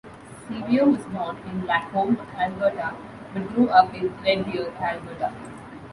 Sceviour was born in Lacombe, Alberta, but grew up in Red Deer, Alberta.